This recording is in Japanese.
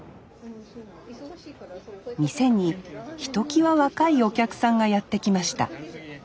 店にひときわ若いお客さんがやって来ました。